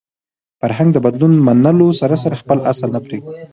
فرهنګ د بدلون منلو سره سره خپل اصل نه پرېږدي.